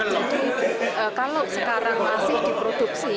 jadi kalau sekarang masih diproduksi